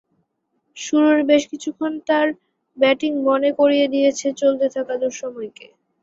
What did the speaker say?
শুরুর বেশ কিছুক্ষণ তাঁর ব্যাটিং মনে করিয়ে দিয়েছে চলতে থাকা দুঃসময়কে।